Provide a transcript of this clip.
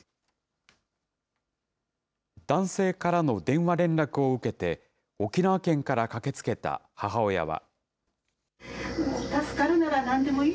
男性からの電話連絡を受けて、沖縄県から駆けつけた母親は。